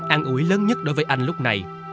an ủi lớn nhất đối với anh lúc này